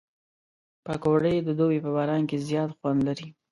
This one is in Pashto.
پکورې د دوبي په باران کې زیات خوند لري